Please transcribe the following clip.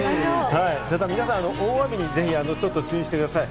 皆さん、大雨にぜひ注意してください。